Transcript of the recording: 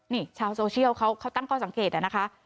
นี่ชาวโซเชียลเขาตั้งข้อสังเกตนะคะ